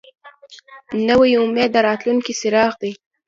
نوی امید د راتلونکي څراغ دی